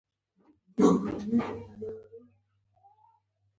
دا موټر قیمته ده خو ډېر ښه ده